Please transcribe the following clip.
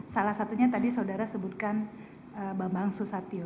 salah satunya tadi saudara sebutkan bambang susatyo